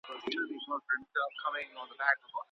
ایا بهرني سوداګر جلغوزي پلوري؟